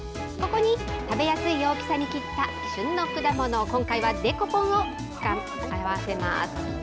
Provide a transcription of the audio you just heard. ここに食べやすい大きさに切った旬の果物を、今回はデコポンを合わせます。